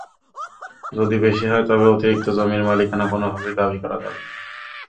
যদি বেশি হয়, তবে অতিরিক্ত জমির মালিকানা কোনোভাবেই দাবি করা যাবে না।